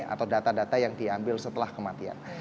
atau data data yang diambil setelah kematian